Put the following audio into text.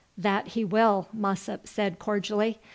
"That he will," Mossop said cordially.